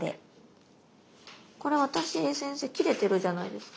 これ私先生切れてるじゃないですか。